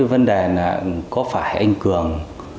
vấn đề là có phải anh cường